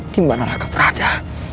di mana raka berada